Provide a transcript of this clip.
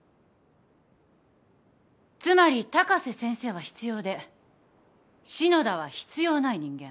つまり高瀬先生は必要で篠田は必要ない人間。